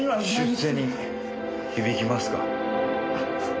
出世に響きますか？